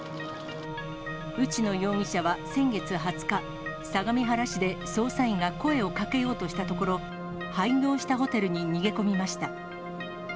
内野容疑者は先月２０日、相模原市で捜査員が声をかけようとしたところ、廃業したホテルに逃げ込みました。